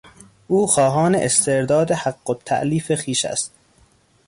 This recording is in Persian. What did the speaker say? او خواهان استرداد حقالتالیف خویش است.